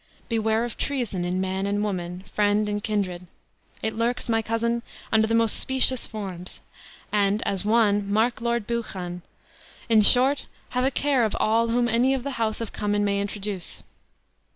Beware of treason in man and woman, friend and kindred. It lurks, my cousin, under the most specious forms; and, as one, mark Lord Buchan; in short, have a care of all whom any of the house of Cummin may introduce.